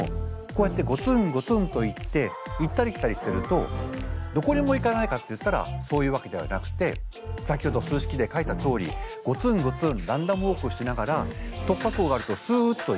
こうやってゴツンゴツンといって行ったり来たりしてるとどこにも行かないかっていったらそういうわけではなくて先ほど数式で書いたとおりゴツンゴツンランダムウォークしながら突破口があるとすっと行く。